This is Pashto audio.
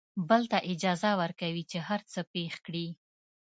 بل ته اجازه ورکوي چې هر څه پېښ کړي.